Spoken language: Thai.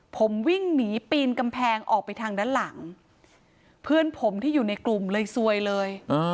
ผมวิ่งหนีปีนกำแพงออกไปทางด้านหลังเพื่อนผมที่อยู่ในกลุ่มเลยซวยเลย